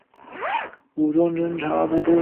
武装侦察部队。